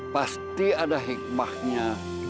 pasti ada hikmahnya